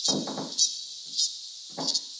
Diskoa aurkeztu eta handik gutxira taldea desegin zen.